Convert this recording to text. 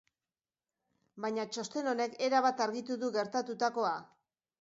Baina txosten honek erabat argitu du gertatutakoa.